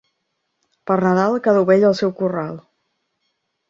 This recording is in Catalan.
Per Nadal cada ovella al seu corral.